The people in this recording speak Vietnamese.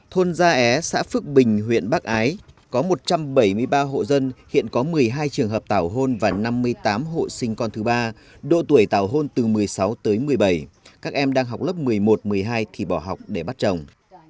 thôn gia é xã phước bình huyện bắc ái có một trăm bảy mươi ba hộ dân hiện có một mươi hai trường hợp tảo hôn và năm mươi tám hộ sinh con thứ ba độ tuổi tào hôn từ một mươi sáu tới một mươi bảy các em đang học lớp một mươi một một mươi hai thì bỏ học để bắt chồng